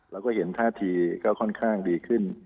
เราก็เห็นท่าทีก็ค่อนข้างดีขึ้น